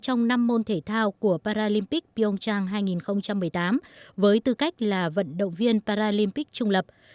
trong năm môn thể thao của paralympic pionchang hai nghìn một mươi tám với tư cách là vận động viên paralympic trung lập